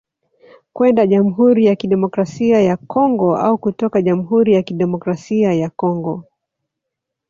Kwenda Jamhuri ya Kidemokrasia ya Kongo au kutoka jamhuri ya Kidemokrasia ya Congo